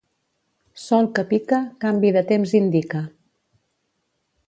Sol que pica, canvi de temps indica.